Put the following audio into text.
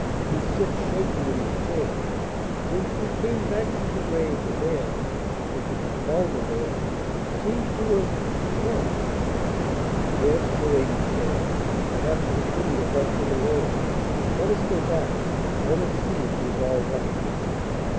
He sits shaking in his chair. Since we came back from the grave the man if we can call him a man seems to have shrunk." "Yes," Paredes said. "Perhaps we shouldn't have left him alone. Let us go back. Let us see if he is all right."